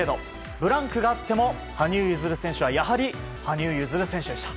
ブランクがあっても羽生結弦選手はやはり羽生結弦選手でした。